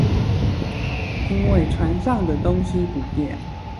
因為船上的東西不變